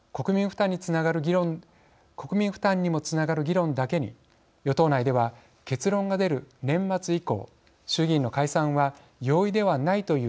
国民負担にもつながる議論だけに与党内では結論が出る年末以降衆議院の解散は容易ではないという見方があります。